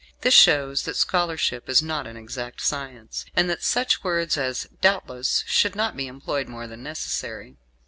This shows that scholarship is not an exact science, and that such words as "doubtless" should not be employed more than necessary.